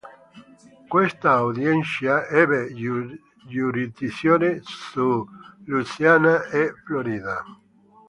Questa Audiencia ebbe giurisdizione su Cuba, Porto Rico, Louisiana e Florida.